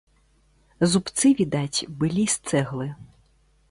Зубцы, відаць, былі з цэглы.